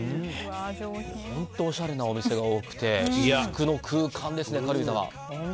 本当おしゃれなお店が多くて至福の空間ですね、軽井沢。